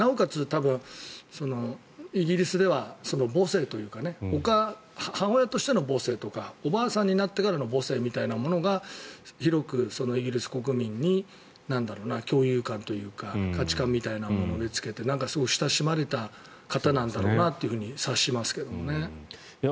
多分イギリスでは母性というか母親としての母性とかおばあさんになってからの母性というものが広くイギリス国民に共有感というか価値観みたいなものを植えつけてすごく親しまれた方なんだろうなと察しますけどね。